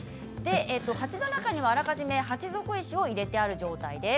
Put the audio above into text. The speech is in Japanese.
鉢の中にはあらかじめ鉢底石を入れてある状態です。